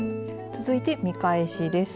続いて見返しです。